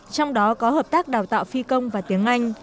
trong đó có hợp tác đào tạo phi công và tiếng anh